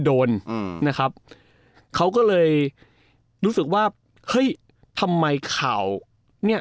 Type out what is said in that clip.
อืมนะครับเขาก็เลยรู้สึกว่าเฮ้ยทำไมข่าวเนี้ย